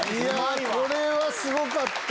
これはすごかった！